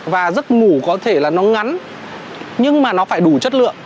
và giấc ngủ có thể là nó ngắn nhưng mà nó phải đủ chất lượng